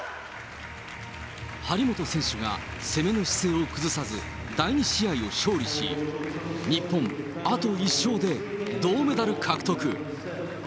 張本選手が攻めの姿勢を崩さず、第２試合を勝利し、日本、あと１勝で銅メダル獲得。